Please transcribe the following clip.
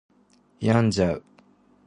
病んじゃう